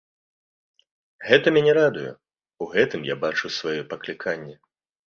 Гэта мяне радуе, у гэтым я бачу свае пакліканне.